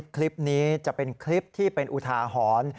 คลิปนี้จะเป็นคลิปที่เป็นอุทาหรณ์